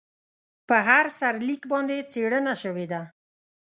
په هر سرلیک باندې څېړنه شوې ده.